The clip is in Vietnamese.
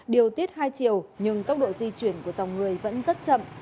điều tiết hai chiều nhưng tốc độ di chuyển của dòng người vẫn rất chậm